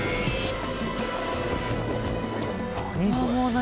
何？